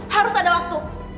harus ada waktu